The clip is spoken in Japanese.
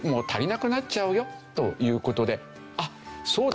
あっそうだ。